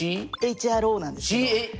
ＨＲＯなんですけど。